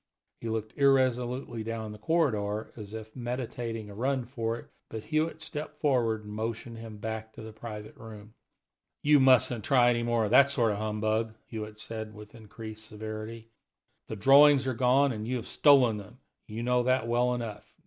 He looked irresolutely down the corridor, as if meditating a run for it, but Hewitt stepped toward him and motioned him back to the private room. "You mustn't try any more of that sort of humbug," Hewitt said with increased severity. "The drawings are gone, and you have stolen them; you know that well enough.